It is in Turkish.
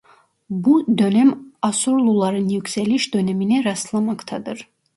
Bu dönem Asurluların yükseliş dönemine rastlamaktadır.